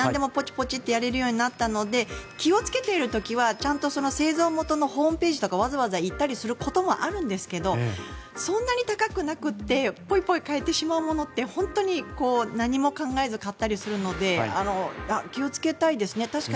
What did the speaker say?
なんでもぽちぽちできるようになったので気をつけている時はちゃんと製造元のホームページとか行ったりすることもあるんですけどそんなに高くなくてポイポイ変えてしまうものって何も考えず買ったりするので気をつけたいですね。